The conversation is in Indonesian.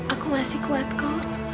aku masih kuat ko